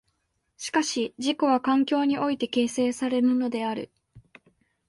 しかし自己は環境において形成されるのである。